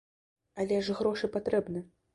Але ж грошы патрэбны.